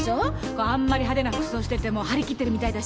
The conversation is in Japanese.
まっあんまり派手な服装してても張り切ってるみたいだし。